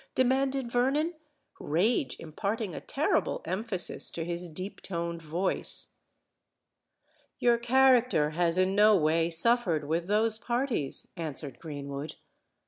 demanded Vernon, rage imparting a terrible emphasis to his deep toned voice. "Your character has in no way suffered with those parties," answered Greenwood.